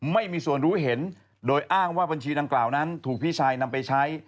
ไม่มีส่วนรู้เห็นโดยอ้างว่าบัญชีดังกล่าวนั้นถูกพี่ชายนำไปใช้